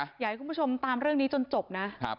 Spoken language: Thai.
อยากให้คุณผู้ชมตามเรื่องนี้จนจบนะ